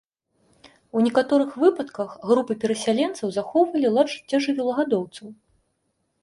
У некаторых выпадках групы перасяленцаў захоўвалі лад жыцця жывёлагадоўцаў.